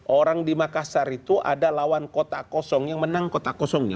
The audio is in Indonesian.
orang di makassar itu ada lawan kota kosong yang menang kota kosongnya